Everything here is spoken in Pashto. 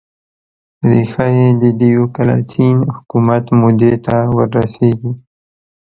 ریښه یې د ډیوکلتین حکومت مودې ته ور رسېږي.